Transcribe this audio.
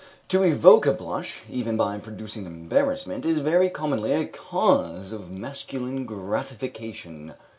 To evoke a blush, even by producing embarrassment, is very commonly a cause of masculine gratification.